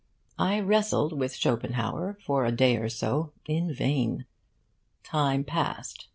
I wrestled with Schopenhauer for a day or so, in vain. Time passed; M.